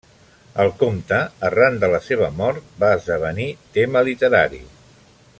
El comte, arran de la seva mort, va esdevenir tema literari.